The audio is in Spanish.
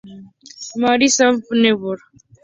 Mary’s en Newburgh.